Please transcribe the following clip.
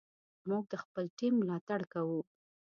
موږ د خپل ټیم ملاتړ کوو.